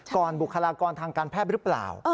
บุคลากรทางการแพทย์หรือเปล่า